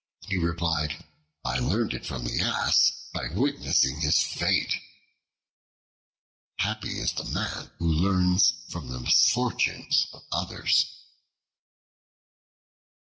He replied, "I learned it from the Ass, by witnessing his fate." Happy is the man who learns from the misfortunes of others.